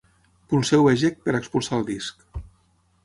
Polseu eject per expulsar el disc.